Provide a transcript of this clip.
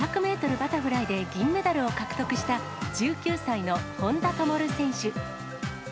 バタフライで銀メダルを獲得した、１９歳の本多灯選手。